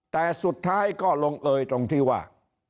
แต่สุดท้ายก็ลงเอยตรงที่ว่า